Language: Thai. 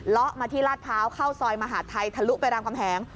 ละมาที่ลาดพร้าวเข้าซอยมหาดไทยทะลุไปรามคำแหง